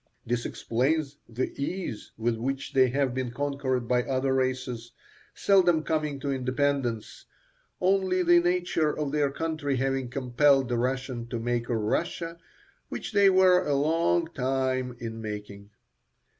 This explains the ease with which they have been conquered by other races, seldom coming to independence, only the nature of their country having compelled the Russians to make a Russia, which they were a long time in making.